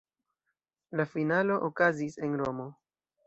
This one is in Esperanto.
La finalo okazis en Romo.